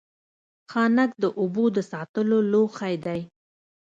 ښانک د اوبو د ساتلو لوښی دی